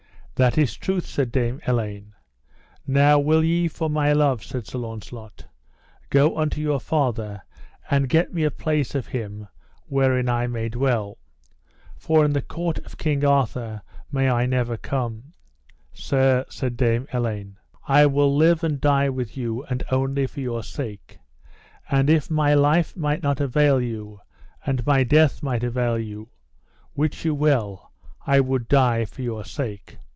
That is truth, said Dame Elaine. Now will ye for my love, said Sir Launcelot, go unto your father and get me a place of him wherein I may dwell? for in the court of King Arthur may I never come. Sir, said Dame Elaine, I will live and die with you, and only for your sake; and if my life might not avail you and my death might avail you, wit you well I would die for your sake.